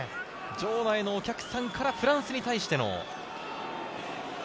場内のお客さんからフランスに対しての。